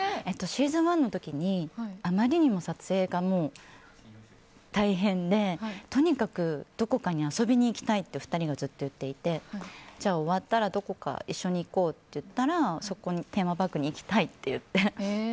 シーズン１の時にあまりにも撮影が大変でとにかくどこかに遊びに行きたいと２人がずっと言っていてじゃあ終わったらどこか一緒に行こうって言ったらテーマパークに行きたいって言って。